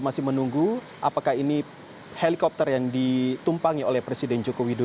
dan ini adalah helikopter kedua yang dikumpulkan oleh banten